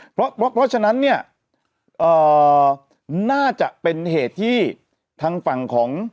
เพราะเพราะเพราะฉะนั้นเนี่ยเอ่อน่าจะเป็นเหตุที่ทางฝั่งของ